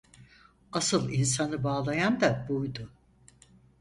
Asıl insanı bağlayan da buydu.